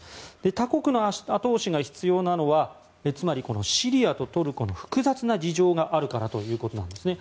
他国の後押しが必要なのはつまりシリアとトルコの複雑な事情があるからということなんですね。